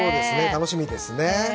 楽しみですね。